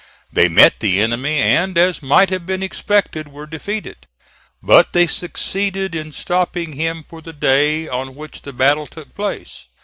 They met the enemy and, as might have been expected, were defeated; but they succeeded in stopping him for the day on which the battle took place.